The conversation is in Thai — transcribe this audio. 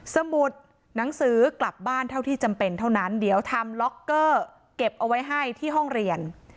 สมุดหนังสือกลับบ้านเท่าที่จำเป็นเท่านั้นเดี๋ยวทำล็อกเกอร์เก็บเอาไว้ให้ที่ห้องเรียน